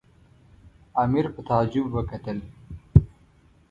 امیر په تعجب وکتل.